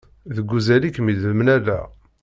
Deg uzal i kem-id-mlaleɣ.